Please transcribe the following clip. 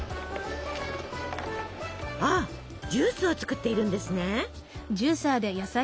あっジュースを作っているんですね。